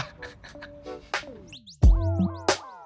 โปรดติดตามตอนต่อไป